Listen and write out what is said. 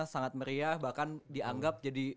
sangat meriah bahkan dianggap jadi